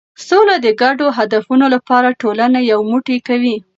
سوله د ګډو هدفونو لپاره ټولنه یو موټی کوي.